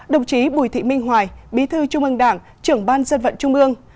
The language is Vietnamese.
đồng chí bùi thị minh hoài bí thư trung ương đảng trưởng ban dân vận trung ương